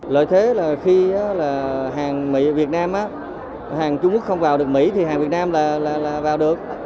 lợi thế là khi hàng mỹ việt nam hàng trung quốc không vào được mỹ thì hàng việt nam là vào được